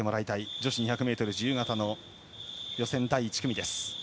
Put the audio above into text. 女子２００ｍ自由形の予選第１組。